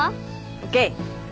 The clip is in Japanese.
ＯＫ。